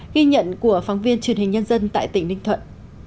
ghi nhận của phóng viên truyền hình nhân dân tại tỉnh ninh thuận